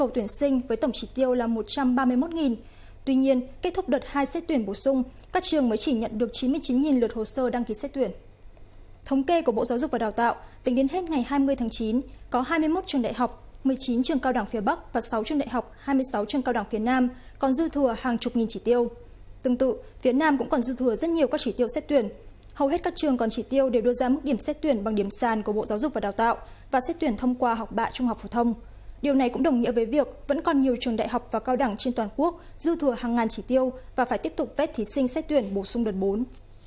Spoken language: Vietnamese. tương tự việt nam cũng còn dư thừa rất nhiều các chỉ tiêu xét tuyển hầu hết các trường còn chỉ tiêu đều đưa ra mức điểm xét tuyển bằng điểm sàn của bộ giáo dục và đào tạo và xét tuyển thông qua học bạ trung học phổ thông điều này cũng đồng nghĩa với việc vẫn còn nhiều trường đại học và cao đẳng trên toàn quốc dư thừa hàng ngàn chỉ tiêu và phải tiếp tục vết thí sinh xét tuyển bổ sung đợt bốn